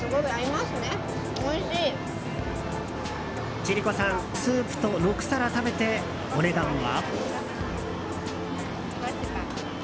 千里子さんスープと６皿食べて、お値段は。